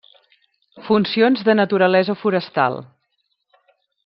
Funcions de naturalesa forestal: